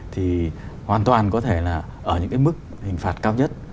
thì hoàn toàn có thể là ở những cái mức hình phạt cao nhất